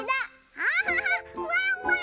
アハハワンワン！